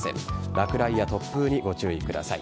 落雷や突風にご注意ください。